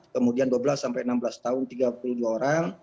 kemudian dua belas sampai enam belas tahun tiga puluh dua orang